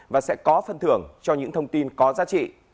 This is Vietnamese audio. và sẽ có phân thưởng cho những thông tin có giá trị